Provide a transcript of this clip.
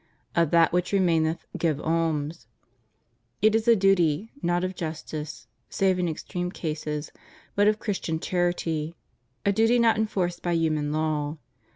Of that which remaineth, give alms.* It is a duty, not of justice (save in extreme cases), but of Christian charity — a duty not enforced by human law.